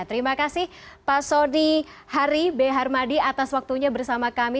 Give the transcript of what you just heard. terima kasih pak soni hari b harmadi atas waktunya bersama kami